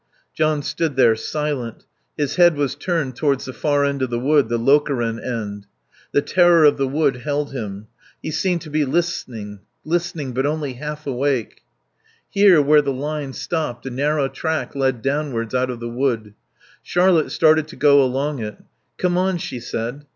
John stood there silent; his head was turned towards the far end of the wood, the Lokeren end. The terror of the wood held him. He seemed to be listening; listening, but only half awake. Here, where the line stopped, a narrow track led downwards out of the wood. Charlotte started to go along it. "Come on," she said.